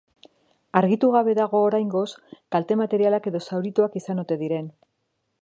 Argitu gabe dago, oraingoz, kalte materialak edo zaurituak izan ote diren.